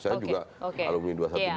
saya juga alumni dua ratus dua belas